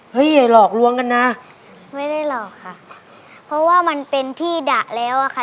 เพราะว่ามันเป็นที่ดะแล้วอะค่ะ